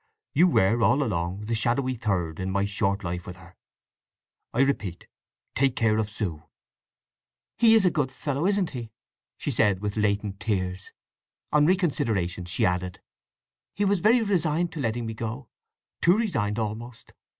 You were all along 'the shadowy third' in my short life with her. I repeat, take care of Sue." "He's a good fellow, isn't he!" she said with latent tears. On reconsideration she added, "He was very resigned to letting me go—too resigned almost!